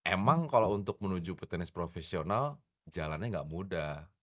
emang kalau untuk menuju petenis profesional jalannya gak mudah